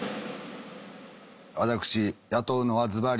私雇うのはずばりロギニ。